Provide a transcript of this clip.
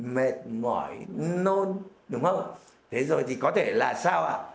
mệt mỏi nôn đúng không thế rồi thì có thể là sao ạ